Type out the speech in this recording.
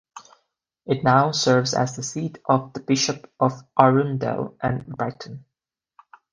It now serves as the seat of the Bishop of Arundel and Brighton.